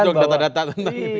habis dong data data tentang ini